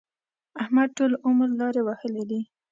احمد ټول عمر لارې وهلې دي.